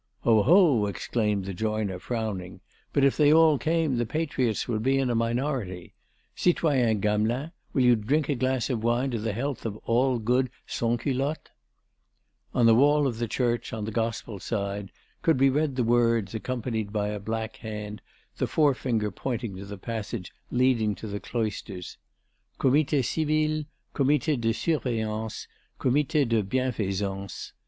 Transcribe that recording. "Oh, ho!" exclaimed the joiner frowning, "but if they all came, the patriots would be in a minority.... Citoyen Gamelin, will you drink a glass of wine to the health of all good sansculottes?..." On the wall of the church, on the Gospel side, could be read the words, accompanied by a black hand, the forefinger pointing to the passage leading to the cloisters: "_Comité civil, Comité de surveillance, Comité de bienfaisance.